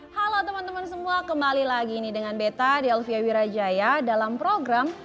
halo teman teman semua kembali lagi ini dengan beta delvia wirajaya dalam program